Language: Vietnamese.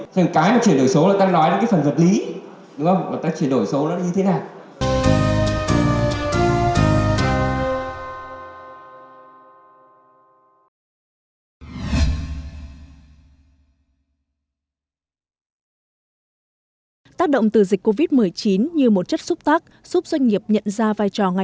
thì cái mà chuyển đổi số là ta nói đến cái phần vật lý đúng không